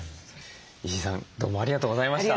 石井さんどうもありがとうございました。